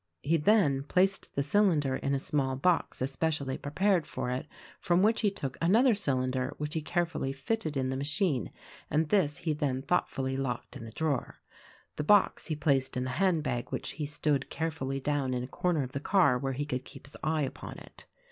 He then placed the cylinder in a small box especially prepared for it from which he took another cylinder which he carefully fitted in the machine, and this he then thought fully locked in the drawer. The box he placed in the hand bag which he stood care fully down in a corner of the car where he could keep his eye upon it.